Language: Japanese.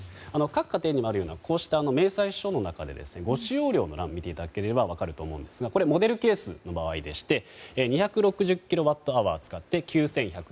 各家庭にもあるような明細書の中でご使用量の欄を見ていただければ分かると思うんですがこれモデルケースの場合でして２６０キロワットアワー使って９１２６円。